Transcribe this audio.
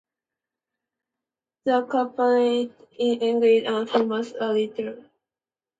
The carapace is enlarged, and forms a tall rostrum.